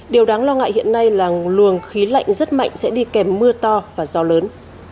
điều đáng lo ngại hiện nay là luồng khí lạnh rất mạnh sẽ đi kèm mưa to và gió lớn